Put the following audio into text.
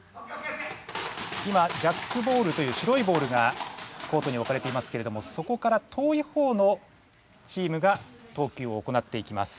今ジャックボールという白いボールがコートにおかれていますけれどもそこから遠いほうのチームが投球を行っていきます。